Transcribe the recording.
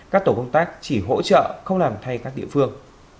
các tổ công tác chỉ hỗ trợ không làm thay các địa phương